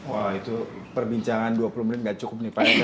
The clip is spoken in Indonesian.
wah itu perbincangan dua puluh menit gak cukup nih pak